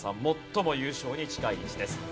最も優勝に近い位置です。